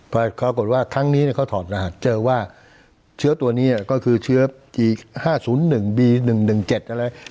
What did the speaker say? พอเขากดว่าครั้งนี้เนี้ยเขาถอดรหัสเจอว่าเชื้อตัวเนี้ยก็คือเชื้ออีห้าศูนย์หนึ่งบีหนึ่งหนึ่งเจ็ดอะไร